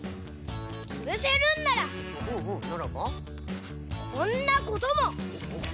つぶせるんならこんなことも！